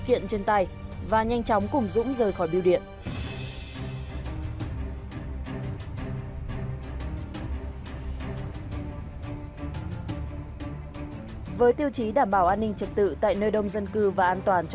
chúng tôi đều có những phương án dự phòng